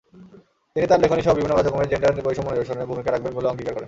তিনি তাঁর লেখনীসহ বিভিন্ন কার্যক্রমে জেন্ডার-বৈষম্য নিরসনে ভূমিকা রাখবেন বলে অঙ্গীকার করেন।